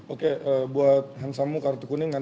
oke untuk hansamu kartu kuning